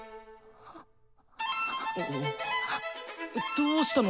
どうしたの！？